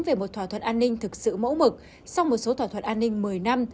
về một thỏa thuận an ninh thực sự mẫu mực sau một số thỏa thuận an ninh một mươi năm